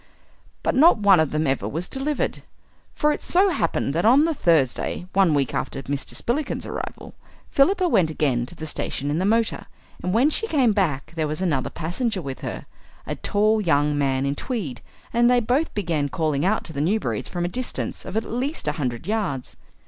But not one of them ever was delivered. For it so happened that on the Thursday, one week after Mr. Spillikins's arrival, Philippa went again to the station in the motor. And when she came back there was another passenger with her, a tall young man in tweed, and they both began calling out to the Newberrys from a distance of at least a hundred yards.